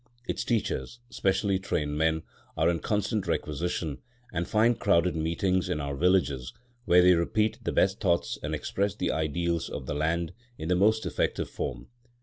Its teachers, specially trained men, are in constant requisition, and find crowded meetings in our villages, where they repeat the best thoughts and express the ideals of the land in the most effective form.